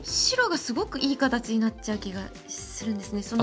白がすごくいい形になっちゃう気がするんですね。